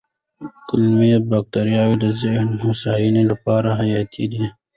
کولمو بکتریاوې د ذهني هوساینې لپاره حیاتي دي.